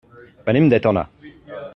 Venim de Tona.